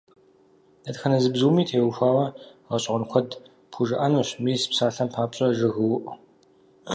Дэтхэнэ зы бзуми теухуауэ гъэщӀэгъуэн куэд пхужыӀэнущ, мис псалъэм папщӀэ жыгыуӀур.